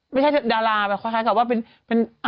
ไม่ใช่ดาราแบบคล้ายกับว่าเป็น